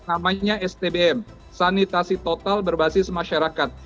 namanya stbm sanitasi total berbasis masyarakat